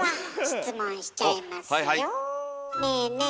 ねえねえ